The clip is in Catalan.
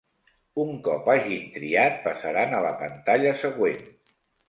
Un cop hagin triat, passaran a la pantalla següent.